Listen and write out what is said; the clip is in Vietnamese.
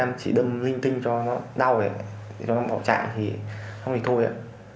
em chỉ đâm linh tinh cho nó đau để nó bảo trạng thì không thì thôi ạ